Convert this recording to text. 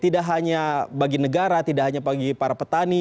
tidak hanya bagi negara tidak hanya bagi para petani